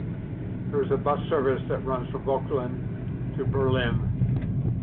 There is a bus service that runs from Vogtland to Berlin.